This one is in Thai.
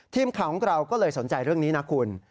ทีมข่าวของเราก็เลยสนใจเรื่องนี้นะคุณ